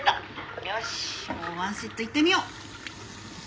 よしもうワンセットいってみよう！